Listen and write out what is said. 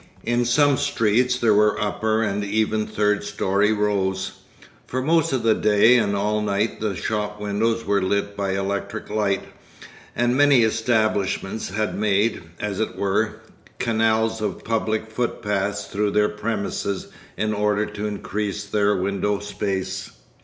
In some streets there were upper and even third story Rows. For most of the day and all night the shop windows were lit by electric light, and many establishments had made, as it were, canals of public footpaths through their premises in order to increase their window space.